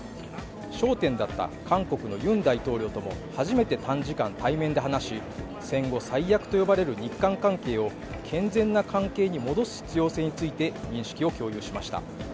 焦点だった韓国のユン大統領とも初めて短時間、対面で話し、戦後最悪と言われる日韓関係を健全な関係に戻す必要性について認識を共有しました。